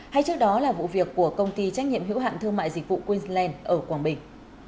hay trước đó là vụ việc của công ty trách nhiệm hữu hạn thương mại dịch vụ queensland ở quảng bình